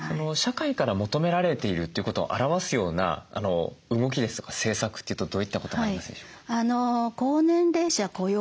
社会から求められているということを表すような動きですとか政策っていうとどういったことがありますでしょうか？